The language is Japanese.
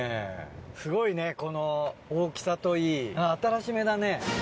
すごいねこの大きさといい新しめだね。